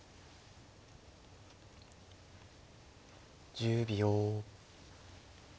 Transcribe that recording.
１０秒。